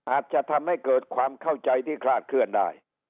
อาจจะทำให้เกิดความเข้าใจที่คลาดเคลื่อนได้